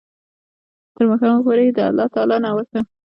تر ماښامه پوري د الله تعالی نه ورته